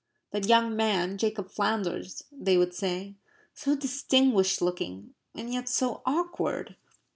"That young man, Jacob Flanders," they would say, "so distinguished looking and yet so awkward."